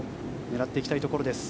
狙っていきたいところです。